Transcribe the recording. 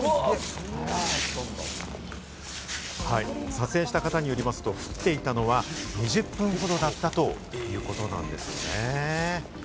撮影した方によりますと、降っていたのは２０分ほどだったということなんですね。